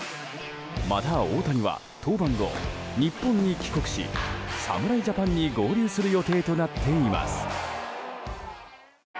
また大谷は登板後日本に帰国し侍ジャパンに合流する予定となっています。